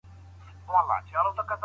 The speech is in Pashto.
چې موخه یې د پښتو خوږې ژبې